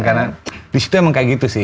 karena disitu emang kayak gitu sih